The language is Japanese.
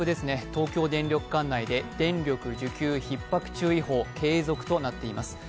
東京電力管内で電力需給ひっ迫注意報、継続となっています。